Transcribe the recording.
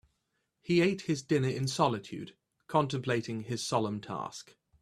He ate his dinner in solitude, contemplating his solemn task.